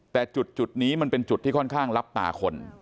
แต่จุดนี้มันเป็นจุดที่ค่อนข้างลับตาคน